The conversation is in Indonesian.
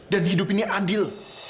dan hidup ini adil